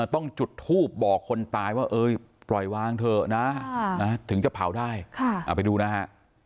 ต้องจุดทูบบอกคนตายว่าปล่อยวางเถอะนะถึงจะเผาได้ไปดูนะฮะ